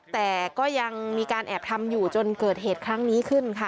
แต่ก็ยังมีการแอบทำอยู่จนเกิดเหตุครั้งนี้ขึ้นค่ะ